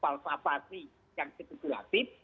palpa pati yang ketergulatid